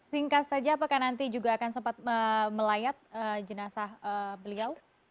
singkat saja apakah nanti juga akan sempat melayat jenazah beliau